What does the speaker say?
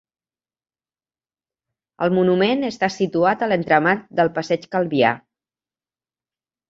El monument està situat a l'entramat del Passeig Calvià.